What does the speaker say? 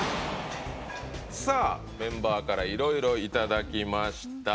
メンバーからいろいろいただきました。